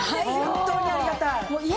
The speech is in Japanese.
本当にありがたい。